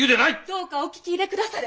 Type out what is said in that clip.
どうかお聞き入れくだされ。